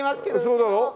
そうだろ？